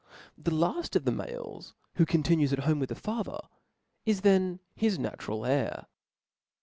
The laft of the malei who continues at home with the father, is then his natural heir.